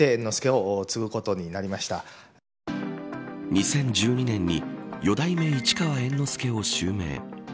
２０１２年に四代目市川猿之助を襲名。